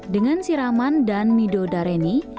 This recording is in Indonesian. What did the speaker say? dengan siraman dan midodareni